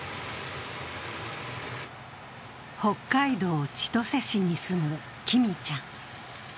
北海道千歳市に住むきみちゃん。